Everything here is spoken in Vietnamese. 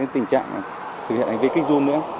thực hiện hành vi kích run nữa